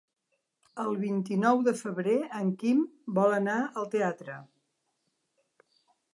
El vint-i-nou de febrer en Quim vol anar al teatre.